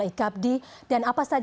dari daftar formularium nasional